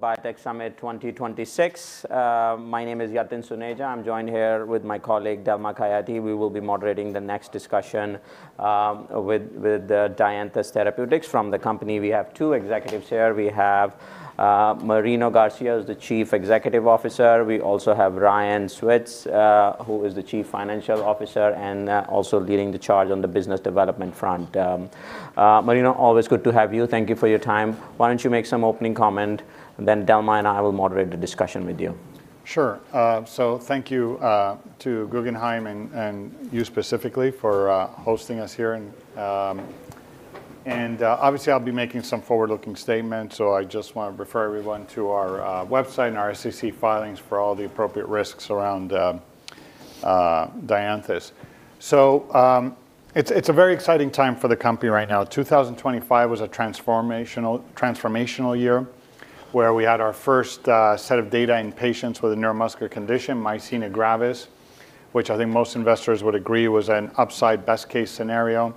Biotech Summit 2026. My name is Yatin Suneja. I'm joined here with my colleague, Delma Khayati. We will be moderating the next discussion with Dianthus Therapeutics. From the company, we have two executives here. We have Marino Garcia, who's the Chief Executive Officer. We also have Ryan Savitz, who is the Chief Financial Officer and also leading the charge on the business development front. Marino, always good to have you. Thank you for your time. Why don't you make some opening comment, and then Delma and I will moderate the discussion with you? Sure. So thank you to Guggenheim and you specifically for hosting us here. And obviously, I'll be making some forward-looking statements, so I just want to refer everyone to our website and our SEC filings for all the appropriate risks around Dianthus. So it's a very exciting time for the company right now. 2025 was a transformational year, where we had our first set of data in patients with a neuromuscular condition, myasthenia gravis, which I think most investors would agree was an upside best-case scenario.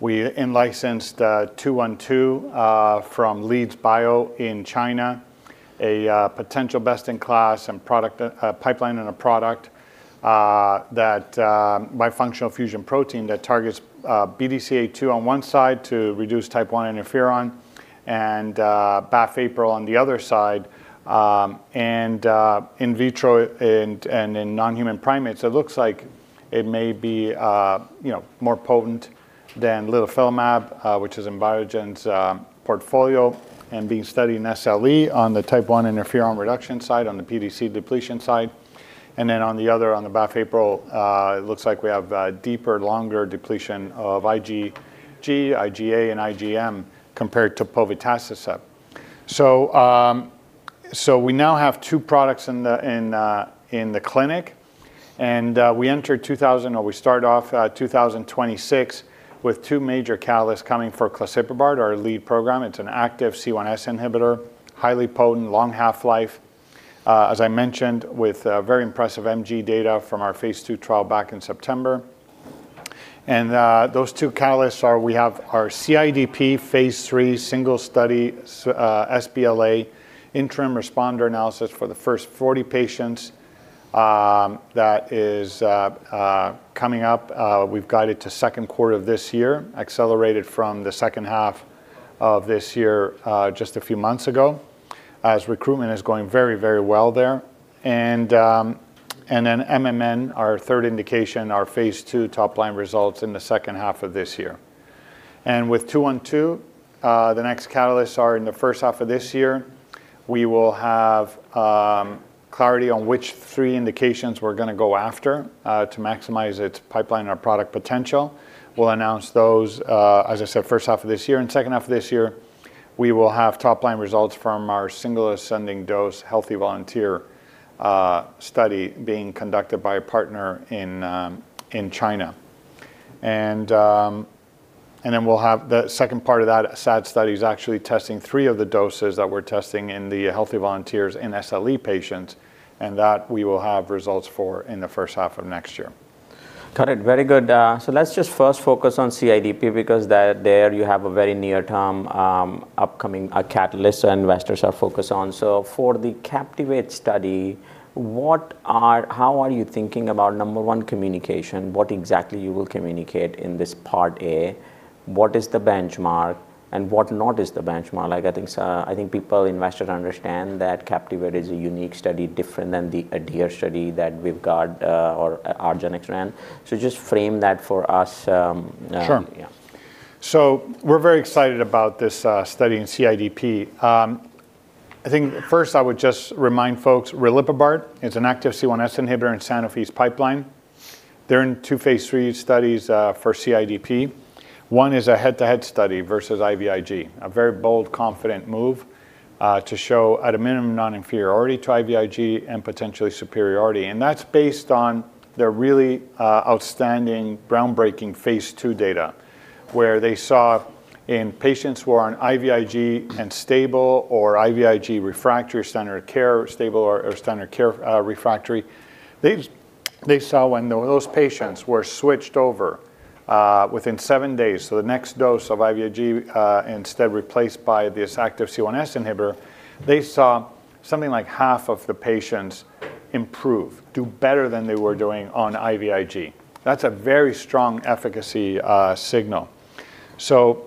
We in-licensed DNTH212 from Leads Biolabs in China, a potential best-in-class product pipeline and a product that bifunctional fusion protein that targets BDCA2 on one side to reduce type I interferon and BAFF/APRIL on the other side. In vitro and in non-human primates, it looks like it may be, you know, more potent than litifilimab, which is in Biogen's portfolio, and being studied in SLE on the Type I interferon reduction side, on the pDC depletion side. And then on the other, on the BAFF/APRIL, it looks like we have deeper, longer depletion of IgG, IgA, and IgM compared to povetacicept. So we now have two products in the clinic, and we started off 2026 with two major catalysts coming for clasiprubart, our lead program. It's an active C1s inhibitor, highly potent, long half-life, as I mentioned, with very impressive MG data from our phase 2 trial back in September. Those two catalysts are, we have our CIDP phase 3 single study, Part A interim responder analysis for the first 40 patients. That is coming up, we've guided to second quarter of this year, accelerated from the second half of this year, just a few months ago, as recruitment is going very, very well there. And then MMN, our third indication, our phase 2 top-line results in the second half of this year. And with DNTH212, the next catalysts are in the first half of this year. We will have clarity on which three indications we're gonna go after, to maximize its pipeline and our product potential. We'll announce those, as I said, first half of this year, and second half of this year, we will have top-line results from our single ascending dose healthy volunteer study being conducted by a partner in China. And then we'll have the second part of that SAD study is actually testing three of the doses that we're testing in the healthy volunteers in SLE patients, and that we will have results for in the first half of next year. Got it. Very good. So let's just first focus on CIDP, because there you have a very near-term upcoming catalyst investors are focused on. So for the Captivate study, how are you thinking about, number one, communication? What exactly you will communicate in this part A? What is the benchmark, and what not is the benchmark? Like, I think so, I think people, investors understand that Captivate is a unique study, different than the ADHERE study that we've got, or argenx ran. So just frame that for us. Sure. Yeah. So we're very excited about this, study in CIDP. I think first, I would just remind folks, riliprubart is an active C1s inhibitor in Sanofi's pipeline. They're in 2 phase 3 studies, for CIDP. One is a head-to-head study versus IVIG, a very bold, confident move, to show at a minimum non-inferiority to IVIG and potentially superiority. And that's based on their really, outstanding, groundbreaking phase 2 data, where they saw in patients who are on IVIG and stable or IVIG refractory standard care, stable or standard care, refractory. They, they saw when those patients were switched over, within 7 days, so the next dose of IVIG, instead replaced by this active C1s inhibitor, they saw something like half of the patients improve, do better than they were doing on IVIG. That's a very strong efficacy, signal. So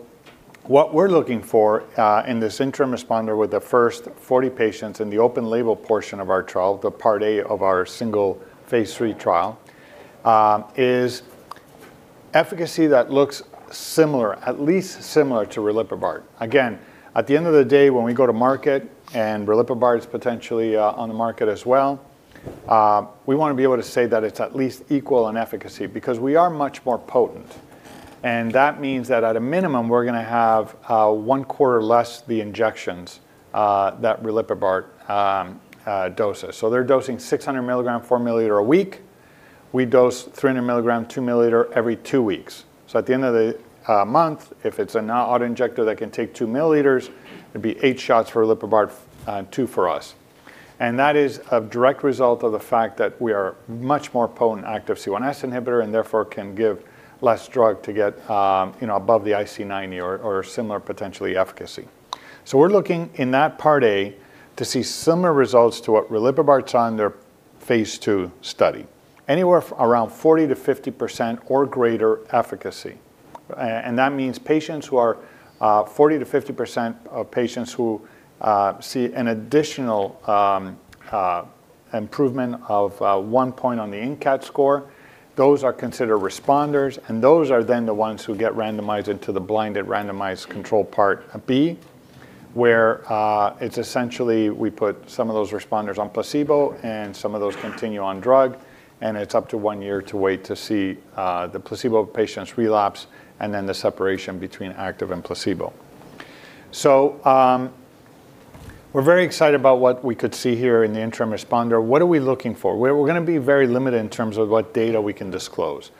what we're looking for, in this interim responder with the first 40 patients in the open-label portion of our trial, the Part A of our single phase 3 trial, is efficacy that looks similar, at least similar to riliprubart. Again, at the end of the day, when we go to market and riliprubart is potentially, on the market as well, we wanna be able to say that it's at least equal in efficacy because we are much more potent. And that means that at a minimum, we're gonna have, one quarter less the injections, that riliprubart, doses. So they're dosing 600 mg 4 mL a week. We dose 300 mg 2 mL every two weeks. So at the end of the month, if it's an auto injector that can take 2 milliliters, it'd be 8 shots for riliprubart, two for us. And that is a direct result of the fact that we are much more potent active C1s inhibitor, and therefore can give less drug to get, you know, above the IC90 or similar potentially efficacy. So we're looking in that part A to see similar results to what riliprubart's on their phase 2 study. Anywhere around 40%-50% or greater efficacy. And that means patients who are 40%-50% of patients who see an additional improvement of one point on the INCAT score, those are considered responders, and those are then the ones who get randomized into the blinded, randomized control part B, where it's essentially we put some of those responders on placebo, and some of those continue on drug, and it's up to one year to wait to see the placebo patients relapse, and then the separation between active and placebo. So, we're very excited about what we could see here in the interim responder. What are we looking for? We're gonna be very limited in terms of what data we can disclose.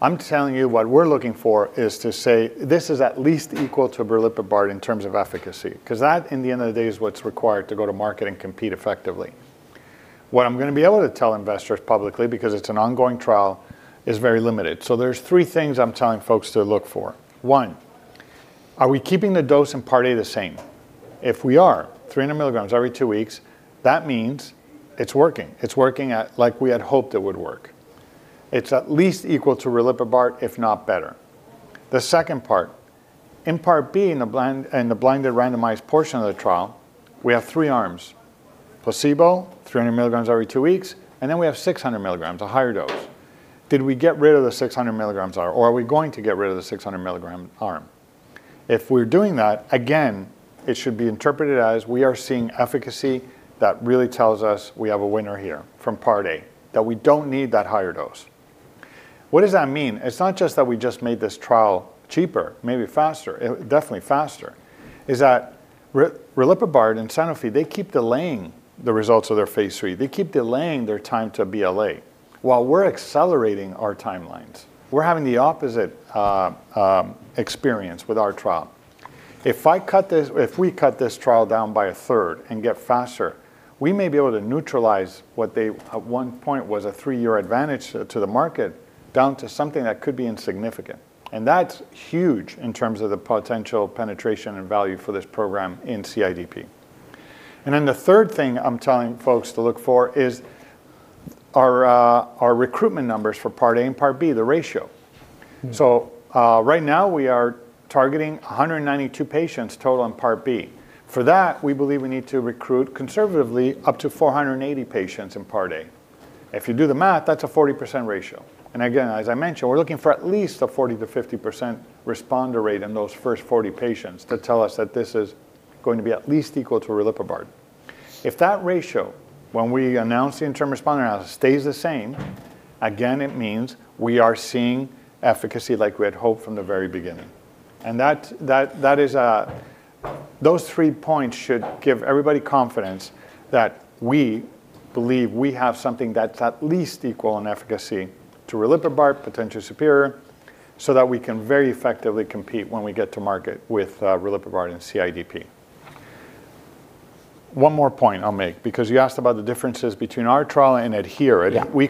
I'm telling you, what we're looking for is to say, "This is at least equal to riliprubart in terms of efficacy," 'cause that, in the end of the day, is what's required to go to market and compete effectively. What I'm gonna be able to tell investors publicly, because it's an ongoing trial, is very limited. So there's three things I'm telling folks to look for. One, are we keeping the dose in Part A the same? If we are, 300 milligrams every 2 weeks, that means it's working. It's working at—like we had hoped it would work. It's at least equal to riliprubart, if not better. The second part, in Part B, in the blinded randomized portion of the trial, we have three arms: placebo, 300 milligrams every 2 weeks, and then we have 600 milligrams, a higher dose. Did we get rid of the 600 milligrams arm, or are we going to get rid of the 600 milligram arm? If we're doing that, again, it should be interpreted as we are seeing efficacy that really tells us we have a winner here from Part A, that we don't need that higher dose. What does that mean? It's not just that we just made this trial cheaper, maybe faster, definitely faster. Is that riliprubart and Sanofi, they keep delaying the results of their phase 3. They keep delaying their time to BLA, while we're accelerating our timelines. We're having the opposite experience with our trial. If we cut this trial down by a third and get faster, we may be able to neutralize what they, at one point, was a 3-year advantage to the market, down to something that could be insignificant. And that's huge in terms of the potential penetration and value for this program in CIDP. And then the third thing I'm telling folks to look for is our recruitment numbers for Part A and Part B, the ratio. So, right now, we are targeting 192 patients total on Part B. For that, we believe we need to recruit, conservatively, up to 480 patients in Part A. If you do the math, that's a 40% ratio. Again, as I mentioned, we're looking for at least a 40%-50% responder rate in those first 40 patients to tell us that this is going to be at least equal to riliprubart. If that ratio, when we announce the interim responder analysis, stays the same, again, it means we are seeing efficacy like we had hoped from the very beginning. And that is. Those three points should give everybody confidence that we believe we have something that's at least equal in efficacy to riliprubart, potentially superior, so that we can very effectively compete when we get to market with riliprubart and CIDP. One more point I'll make, because you asked about the differences between our trial and ADHERE- Yeah. We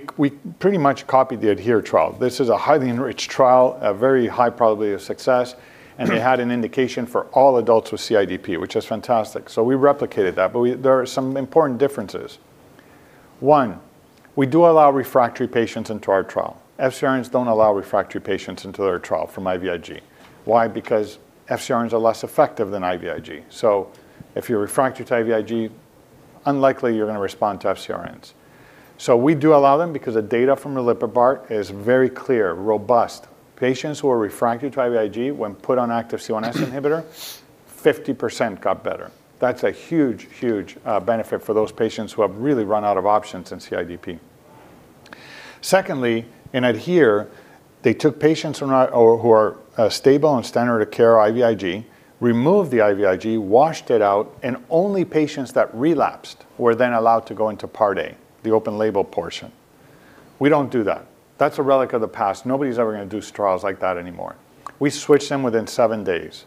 pretty much copied the ADHERE trial. This is a highly enriched trial, a very high probability of success, and they had an indication for all adults with CIDP, which is fantastic. So we replicated that, but there are some important differences. One, we do allow refractory patients into our trial. FcRns don't allow refractory patients into their trial from IVIG. Why? Because FcRns are less effective than IVIG. So if you're refractory to IVIG, unlikely you're gonna respond to FcRns. So we do allow them because the data from riliprubart is very clear, robust. Patients who are refractory to IVIG, when put on active C1s inhibitor, 50% got better. That's a huge, huge benefit for those patients who have really run out of options in CIDP. Secondly, in ADHERE, they took patients who are stable on standard of care or IVIG, removed the IVIG, washed it out, and only patients that relapsed were then allowed to go into Part A, the open label portion. We don't do that. That's a relic of the past. Nobody's ever gonna do trials like that anymore. We switch them within seven days.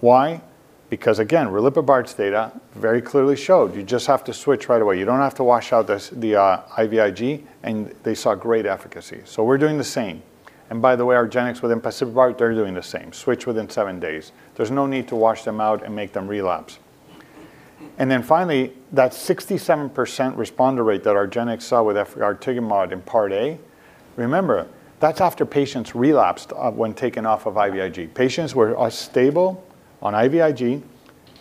Why? Because, again, riliprubart's data very clearly showed you just have to switch right away. You don't have to wash out the IVIG, and they saw great efficacy, so we're doing the same. And by the way, argenx with efgartigimod, they're doing the same: switch within seven days. There's no need to wash them out and make them relapse. Then finally, that 67% responder rate that argenx saw with efgartigimod in Part A, remember, that's after patients relapsed, when taken off of IVIG. Patients were, are stable on IVIG,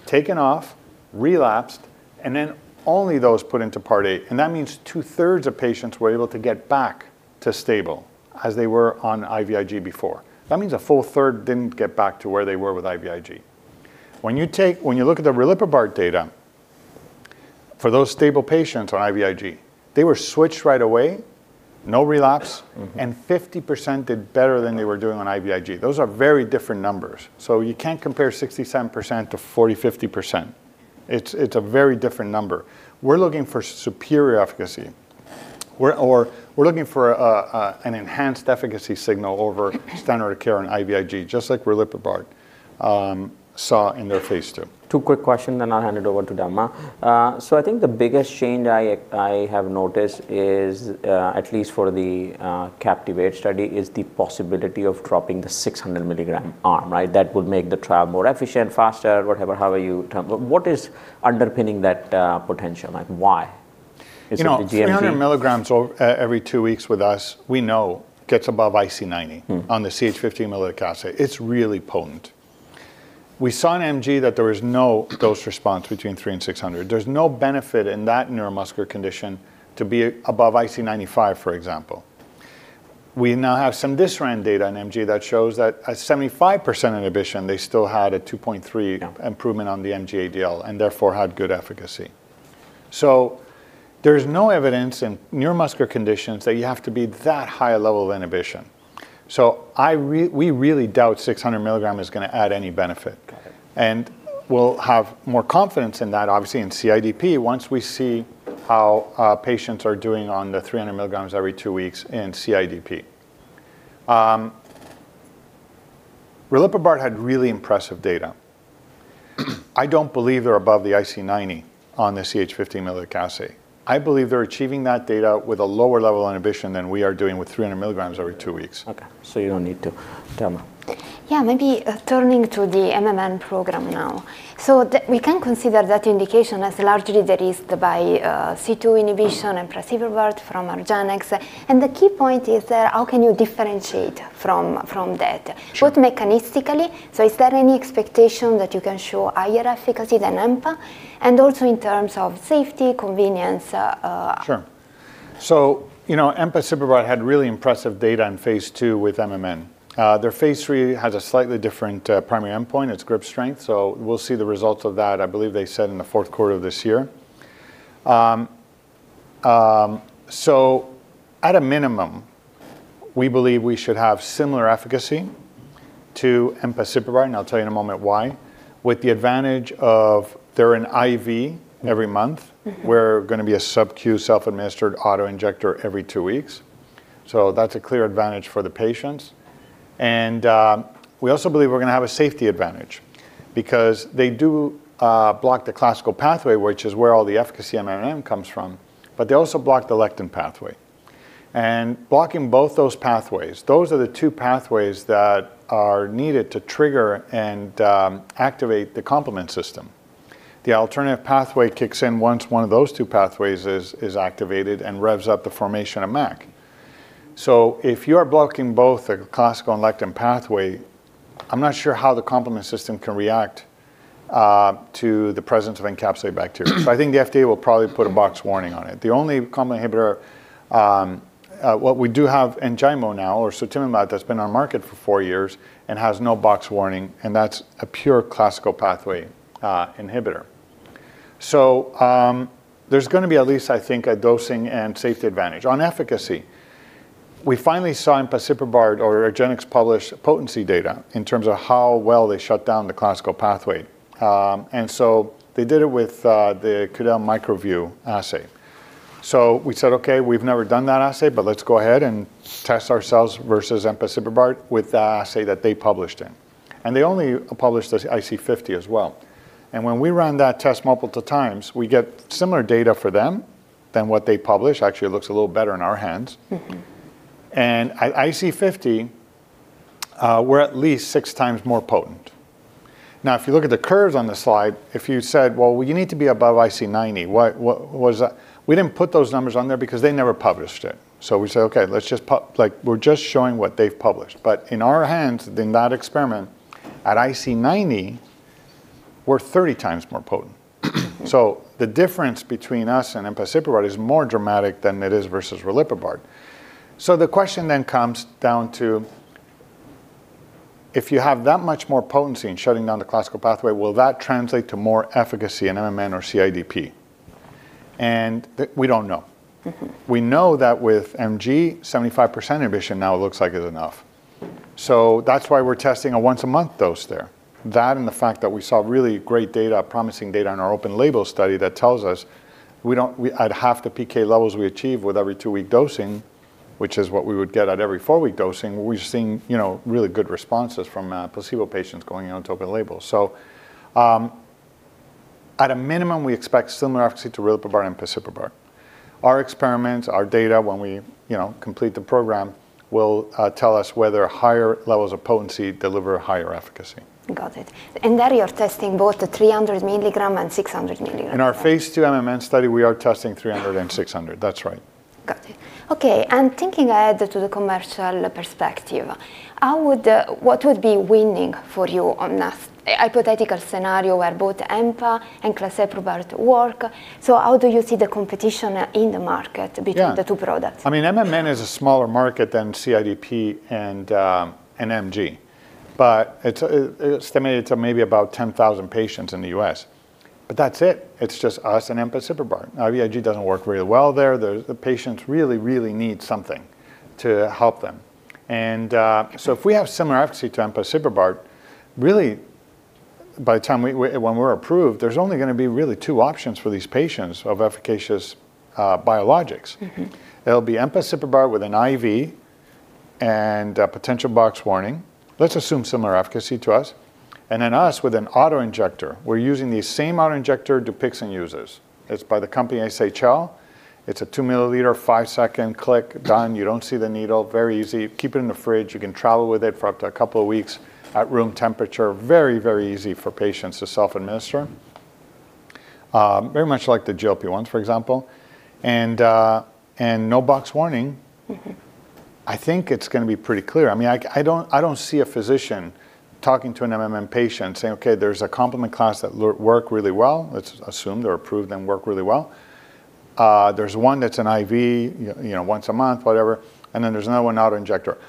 taken off, relapsed, and then only those put into Part A, and that means two-thirds of patients were able to get back to stable as they were on IVIG before. That means a full third didn't get back to where they were with IVIG. When you look at the riliprubart data, for those stable patients on IVIG, they were switched right away, no relapse- Mm-hmm.... and 50% did better than they were doing on IVIG. Those are very different numbers. So you can't compare 67% to 40%, 50%. It's a very different number. We're looking for superior efficacy.... We're looking for an enhanced efficacy signal over standard of care in IVIG, just like riliprubart saw in their phase II. Two quick questions, then I'll hand it over to Delma. So I think the biggest change I have noticed is, at least for the CAPTIVATE study, the possibility of dropping the 600 milligram arm, right? That would make the trial more efficient, faster, whatever, however you term it. What is underpinning that potential? Like, why? Is it the GMG- You know, 300 milligrams or every two weeks with us, we know gets above IC90- Mm. -on the CH50 assay. It's really potent. We saw in MG that there was no dose response between 3 and 600. There's no benefit in that neuromuscular condition to be above IC95, for example. We now have some Dianthus data on MG that shows that at 75% inhibition, they still had a 2.3- Yeah improvement on the MG-ADL, and therefore had good efficacy. So there's no evidence in neuromuscular conditions that you have to be that high a level of inhibition. So, we really doubt 600 milligram is gonna add any benefit. Okay. We'll have more confidence in that, obviously, in CIDP, once we see how patients are doing on the 300 milligrams every 2 weeks in CIDP. Riliprubart had really impressive data. I don't believe they're above the IC90 on the CH50 milliliter assay. I believe they're achieving that data with a lower level of inhibition than we are doing with 300 milligrams every 2 weeks. Okay, so you don't need to. Delma? Yeah, maybe turning to the MMN program now. So we can consider that indication as largely de-risked by C2 inhibition and empasiprubart from argenx. And the key point is that how can you differentiate from that? Sure. Both mechanistically, so is there any expectation that you can show higher efficacy than EMPA? And also in terms of safety, convenience. Sure. So, you know, empasiprubart had really impressive data in phase II with MMN. Their phase III has a slightly different primary endpoint. It's grip strength, so we'll see the results of that, I believe they said, in the fourth quarter of this year. So at a minimum, we believe we should have similar efficacy to empasiprubart, and I'll tell you in a moment why, with the advantage of they're an IV every month- Mm-hmm... we're gonna be a sub-Q self-administered auto-injector every two weeks. So that's a clear advantage for the patients. And we also believe we're gonna have a safety advantage because they do block the classical pathway, which is where all the efficacy of MMN comes from, but they also block the lectin pathway. And blocking both those pathways, those are the two pathways that are needed to trigger and activate the complement system. The alternative pathway kicks in once one of those two pathways is activated and revs up the formation of MAC. So if you are blocking both the classical and lectin pathway, I'm not sure how the complement system can react to the presence of encapsulated bacteria. So I think the FDA will probably put a box warning on it. The only complement inhibitor, well, we do have Enjaymo now, or sutimlimab, that's been on market for four years and has no box warning, and that's a pure classical pathway inhibitor. So, there's gonna be at least, I think, a dosing and safety advantage. On efficacy, we finally saw empasiprubart or argenx publish potency data in terms of how well they shut down the classical pathway. And so they did it with the Quidel MicroVue assay. So we said, "Okay, we've never done that assay, but let's go ahead and test ourselves versus empasiprubart with the assay that they published in." And they only published the IC50 as well. And when we ran that test multiple times, we get similar data for them than what they publish. Actually, it looks a little better in our hands. Mm-hmm. At IC50, we're at least 6 times more potent. Now, if you look at the curves on the slide, if you said, "Well, you need to be above IC90, what, what was that?" We didn't put those numbers on there because they never published it. So we said, "Okay, let's just like, we're just showing what they've published." But in our hands, in that experiment, at IC90, we're 30 times more potent. So the difference between us and empasiprubart is more dramatic than it is versus riliprubart. So the question then comes down to, if you have that much more potency in shutting down the classical pathway, will that translate to more efficacy in MMN or CIDP? And we don't know. Mm-hmm. We know that with MG, 75% inhibition now looks like it's enough. So that's why we're testing a once-a-month dose there. That and the fact that we saw really great data, promising data, in our open label study that tells us we don't at half the PK levels we achieve with every two-week dosing, which is what we would get at every four-week dosing, we've seen, you know, really good responses from placebo patients going in on open label. So, at a minimum, we expect similar efficacy to riliprubart and empasiprubart. Our experiments, our data, when we, you know, complete the program, will tell us whether higher levels of potency deliver higher efficacy. Got it. And there, you're testing both the 300 milligram and 600 milligram? In our phase II MMN study, we are testing 300 and 600. That's right. Got it. Okay, and thinking ahead to the commercial perspective, what would be winning for you on a hypothetical scenario where both EMPA and clasiprubart work? So how do you see the competition in the market- Yeah Between the two products? I mean, MMN is a smaller market than CIDP and MG, but it's estimated to maybe about 10,000 patients in the U.S. But that's it. It's just us and empasiprubart. IVIG doesn't work really well there. The patients really need something to help them. And so if we have similar efficacy to empasiprubart, by the time when we're approved, there's only gonna be really two options for these patients of efficacious biologics. Mm-hmm. It'll be empasiprubart with an IV and a potential box warning. Let's assume similar efficacy to us, and then us with an auto-injector. We're using the same auto-injector Dupixent uses. It's by the company Halozyme. It's a 2-milliliter, 5-second click, done. You don't see the needle, very easy. Keep it in the fridge. You can travel with it for up to a couple of weeks at room temperature. Very, very easy for patients to self-administer. Very much like the GLP-1s, for example, and no box warning. Mm-hmm. I think it's gonna be pretty clear. I mean, I don't see a physician talking to an MMN patient saying, "Okay, there's a complement class that'll work really well," let's assume they're approved and work really well. There's one that's an IV, you know, once a month, whatever, and then there's another one, auto-injector.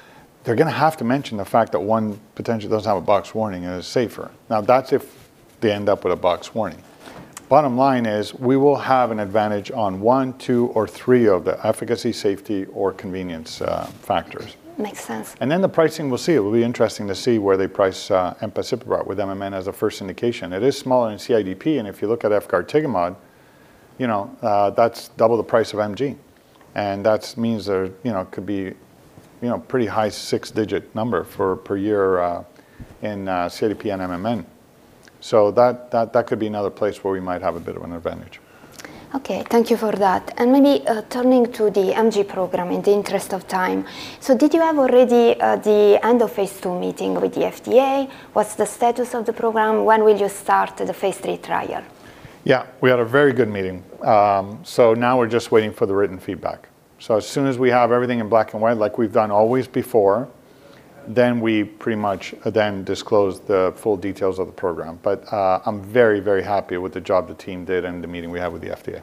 They're gonna have to mention the fact that one potentially doesn't have a box warning and is safer. Now, that's if they end up with a box warning. Bottom line is, we will have an advantage on one, two, or three of the efficacy, safety, or convenience, factors. Makes sense. And then the pricing, we'll see. It will be interesting to see where they price empasiprubart with MMN as a first indication. It is smaller than CIDP, and if you look at efgartigimod, you know, that's double the price of MG, and that means there, you know, could be, you know, pretty high six-digit number per year in CIDP and MMN. So that, that, that could be another place where we might have a bit of an advantage. Okay, thank you for that. Maybe, turning to the MG program in the interest of time. Did you have already the end-of-phase 2 meeting with the FDA? What's the status of the program? When will you start the phase 3 trial? Yeah, we had a very good meeting. So now we're just waiting for the written feedback. So as soon as we have everything in black and white, like we've done always before, then we pretty much then disclose the full details of the program. But, I'm very, very happy with the job the team did and the meeting we had with the FDA.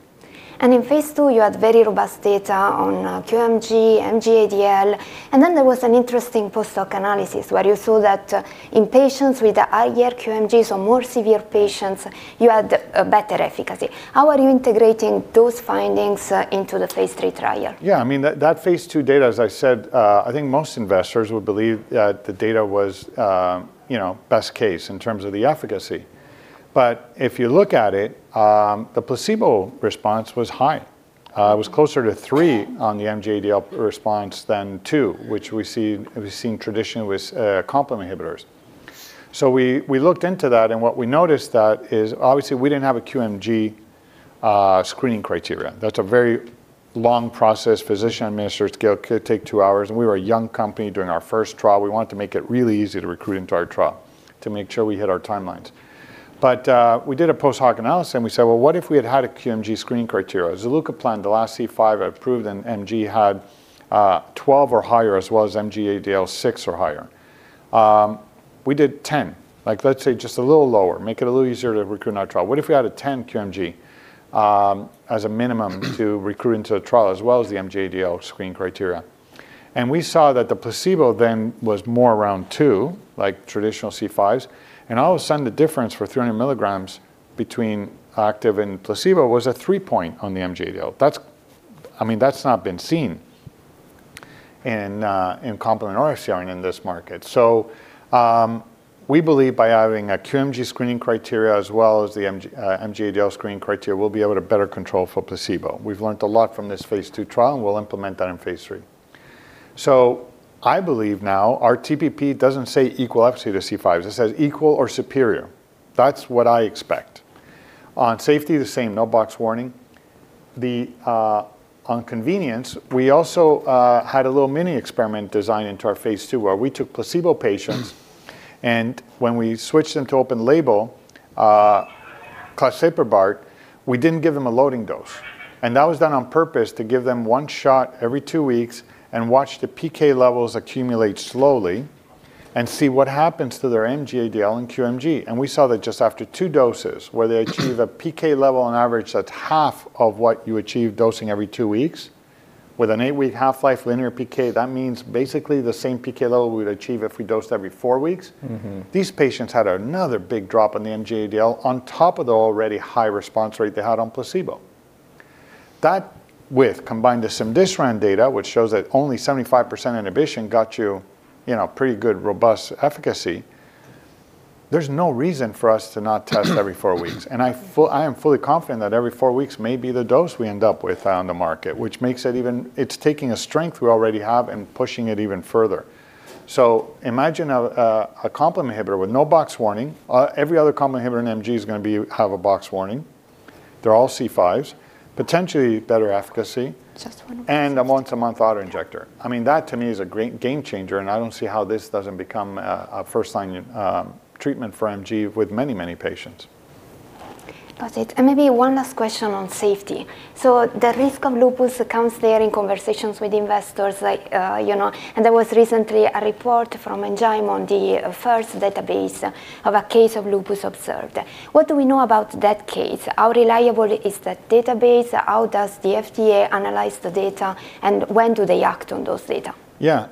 In phase 2, you had very robust data on QMG, MG-ADL, and then there was an interesting post hoc analysis where you saw that in patients with higher QMGs or more severe patients, you had a better efficacy. How are you integrating those findings into the phase 3 trial? Yeah, I mean, that, that phase 2 data, as I said, I think most investors would believe that the data was, you know, best case in terms of the efficacy. But if you look at it, the placebo response was high. It was closer to 3 on the MG-ADL response than 2, which we've seen traditionally with complement inhibitors. So we looked into that, and what we noticed that is obviously we didn't have a QMG screening criteria. That's a very long process. Physician administered scale could take 2 hours, and we were a young company doing our first trial. We wanted to make it really easy to recruit into our trial to make sure we hit our timelines. But we did a post hoc analysis, and we said: Well, what if we had had a QMG screening criteria? Zilucoplan, the last C5 approved in MG, had 12 or higher, as well as MG-ADL 6 or higher. We did 10, like, let's say, just a little lower, make it a little easier to recruit in our trial. What if we had a 10 QMG as a minimum to recruit into the trial, as well as the MG-ADL screen criteria? And we saw that the placebo then was more around 2, like traditional C5s, and all of a sudden, the difference for 300 milligrams between active and placebo was a 3-point on the MG-ADL. That's—I mean, that's not been seen in in complement or SC in this market. So, we believe by having a QMG screening criteria as well as the MG, MG-ADL screening criteria, we'll be able to better control for placebo. We've learned a lot from this phase 2 trial, and we'll implement that in phase 3. So I believe now our TPP doesn't say equal efficacy to C5s; it says equal or superior. That's what I expect. On safety, the same, no box warning. The on convenience, we also had a little mini experiment designed into our phase 2, where we took placebo patients, and when we switched them to open label clasiprubart, we didn't give them a loading dose, and that was done on purpose to give them one shot every two weeks and watch the PK levels accumulate slowly and see what happens to their MG-ADL and QMG. And we saw that just after two doses, where they achieve a PK level on average, that's half of what you achieve dosing every two weeks. With an eight-week half-life linear PK, that means basically the same PK level we'd achieve if we dosed every four weeks. Mm-hmm. These patients had another big drop in the MG-ADL on top of the already high response rate they had on placebo. That with, combined to some duration data, which shows that only 75% inhibition got you, you know, pretty good, robust efficacy, there's no reason for us to not test every four weeks. And I am fully confident that every four weeks may be the dose we end up with on the market, which makes it even—it's taking a strength we already have and pushing it even further. So imagine a complement inhibitor with no box warning. Every other complement inhibitor in MG is gonna be—have a box warning. They're all C5s, potentially better efficacy- Just one- and a once-a-month auto-injector. I mean, that, to me, is a great game changer, and I don't see how this doesn't become a first-line treatment for MG with many, many patients. Got it. And maybe one last question on safety. So the risk of lupus comes there in conversations with investors like, you know. And there was recently a report from FAERS on the first database of a case of lupus observed. What do we know about that case? How reliable is that database? How does the FDA analyze the data, and when do they act on those data? Yeah,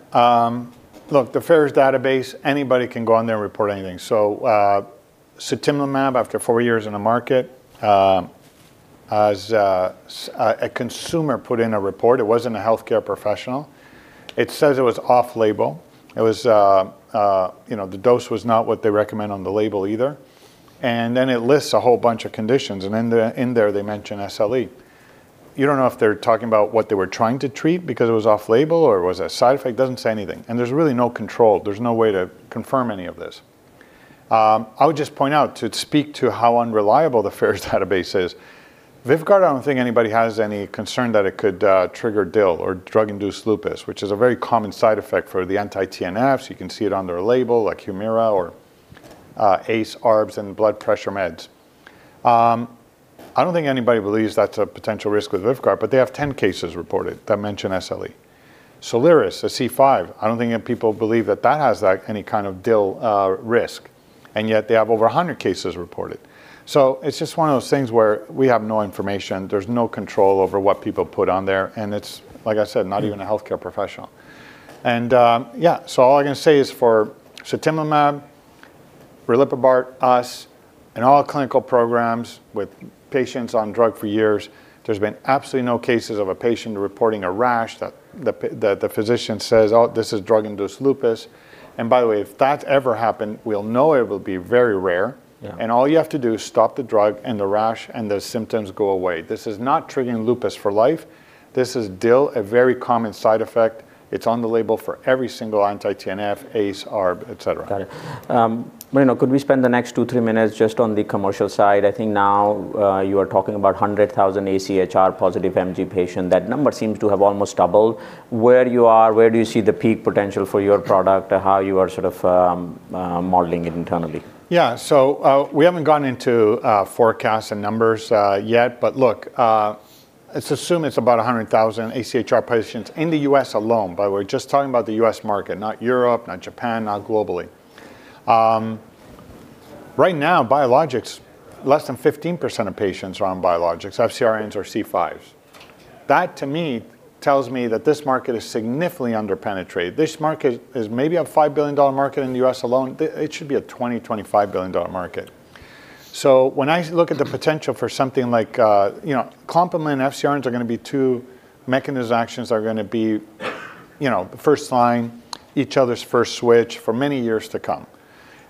look, the FAERS database, anybody can go on there and report anything. So, sutimlimab, after 4 years in the market, a consumer put in a report, it wasn't a healthcare professional. It says it was off label. It was, you know, the dose was not what they recommend on the label either, and then it lists a whole bunch of conditions, and then the, in there, they mention SLE. You don't know if they're talking about what they were trying to treat because it was off label, or it was a side effect. Doesn't say anything, and there's really no control. There's no way to confirm any of this. I would just point out, to speak to how unreliable the FAERS database is, VYVGART, I don't think anybody has any concern that it could trigger DIL or drug-induced lupus, which is a very common side effect for the anti-TNFs. You can see it on their label, like Humira or, ACE, ARBs, and blood pressure meds. I don't think anybody believes that's a potential risk with VYVGART, but they have 10 cases reported that mention SLE. Soliris, a C5, I don't think that people believe that that has, like, any kind of DIL risk, and yet they have over 100 cases reported. So it's just one of those things where we have no information, there's no control over what people put on there, and it's, like I said, not even a healthcare professional. So all I'm gonna say is for sutimlimab, riliprubart, us, in all clinical programs with patients on drug for years, there's been absolutely no cases of a patient reporting a rash that the physician says, "Oh, this is drug-induced lupus." By the way, if that ever happened, we'll know it will be very rare. Yeah. All you have to do is stop the drug, and the rash, and the symptoms go away. This is not triggering lupus for life. This is DIL, a very common side effect. It's on the label for every single anti-TNF, ACE, ARB, et cetera. Got it. Marino, could we spend the next 2-3 minutes just on the commercial side? I think now, you are talking about 100,000 AChR-positive MG patients, that number seems to have almost doubled. Where you are, where do you see the peak potential for your product, or how you are sort of, modeling it internally? Yeah. So, we haven't gone into forecasts and numbers yet, but look, let's assume it's about 100,000 AChR patients in the U.S. alone. By the way, just talking about the U.S. market, not Europe, not Japan, not globally. Right now, biologics, less than 15% of patients are on biologics, FcRns or C5s. That, to me, tells me that this market is significantly under-penetrated. This market is maybe a $5 billion market in the U.S. alone. It should be a $20-$25 billion market. So when I look at the potential for something like, you know, complement and FcRns are gonna be two mechanism actions are gonna be, you know, the first line, each other's first switch for many years to come.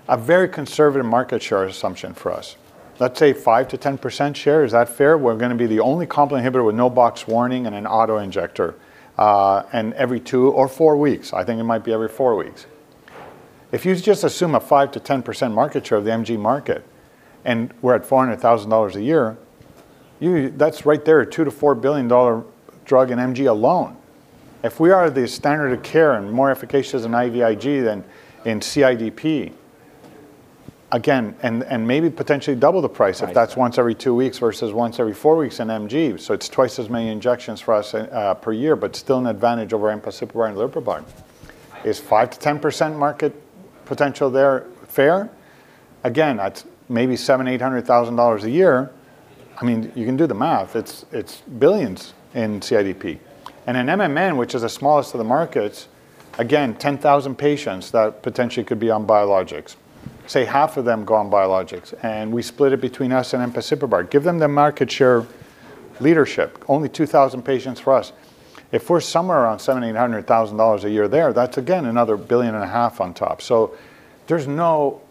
A very conservative market share assumption for us, let's say 5%-10% share. Is that fair? We're gonna be the only complement inhibitor with no box warning and an auto-injector, and every two or four weeks, I think it might be every four weeks. If you just assume a 5%-10% market share of the MG market, and we're at $400,000 a year, that's right there, a $2-$4 billion drug in MG alone. If we are the standard of care and more efficacious than IVIG than in CIDP, again, and, and maybe potentially double the price- I see. If that's once every two weeks versus once every four weeks in MG, so it's twice as many injections for us, per year, but still an advantage over empasiprubart and riliprubart. Is 5%-10% market potential there fair? Again, that's maybe $700,000-$800,000 a year. I mean, you can do the math. It's, it's $ billions in CIDP. And in MMN, which is the smallest of the markets, again, 10,000 patients that potentially could be on biologics. Say, half of them go on biologics, and we split it between us and empasiprubart. Give them the market share leadership, only 2,000 patients for us. If we're somewhere around $700,000-$800,000 a year there, that's again, another $1.5 billion on top. So there's no...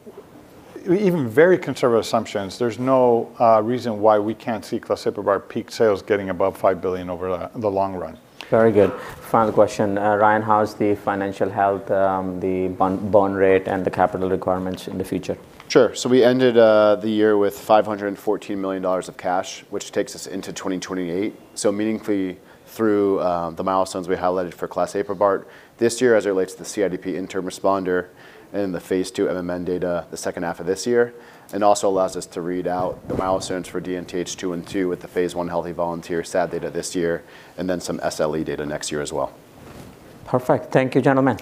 Even very conservative assumptions, there's no reason why we can't see clasiprubart peak sales getting above $5 billion over the long run. Very good. Final question. Ryan, how is the financial health, the bond rate, and the capital requirements in the future? Sure. So we ended the year with $514 million of cash, which takes us into 2028. So meaningfully through the milestones we highlighted for clasiprubart. This year, as it relates to the CIDP interim responder and the phase 2 MMN data, the second half of this year, and also allows us to read out the milestones for DNTH212 with the phase 1 healthy volunteer SAD data this year, and then some SLE data next year as well. Perfect. Thank you, gentlemen.